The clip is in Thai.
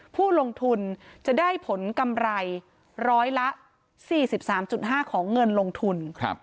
ผู้ลงทุนจะได้ผลกำไรร้อยละ๔๓๕ของเงินลงทุน